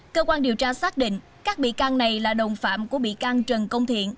cơ quan điều tra xác định các bị can này là đồng phạm của bị can trần công thiện